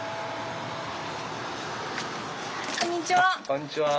こんにちは。